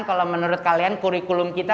kalau menurut kalian kurikulum kita